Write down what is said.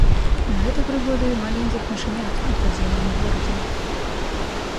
Гэта прыгоды маленькіх мышанят у падземным горадзе.